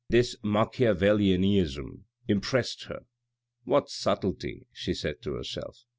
This Macchiavellianiasm impressed her. " What subtlety," she said to herself.